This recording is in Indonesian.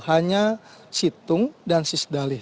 hanya situng dan sisdali